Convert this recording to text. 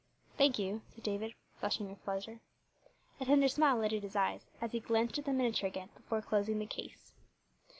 "Thank you," replied David, flushing with pleasure. A tender smile lighted his eyes as he glanced at the miniature again before closing the case.